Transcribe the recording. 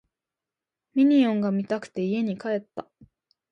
ミニオンが見たくて家に帰った